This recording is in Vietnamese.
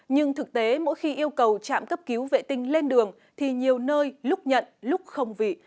nhưng thực tế mỗi khi yêu cầu trạm cấp cứu vệ tinh lên đường thì nhiều nơi lúc nhận lúc không vì